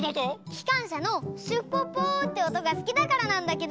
きかんしゃのシュッポッポーっておとがすきだからなんだけど。